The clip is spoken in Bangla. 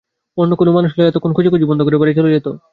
অন্য কোনো মানুষ হলে এতক্ষণ খোঁজাখুঁজি বন্ধ করে বাড়ি চলে যেত।